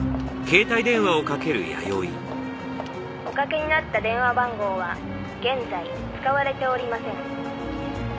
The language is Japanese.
「おかけになった電話番号は現在使われておりません」